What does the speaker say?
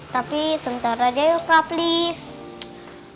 tapi sentar aja yuk kak please